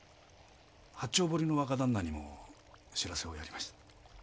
八丁堀の若旦那にも知らせをやりました。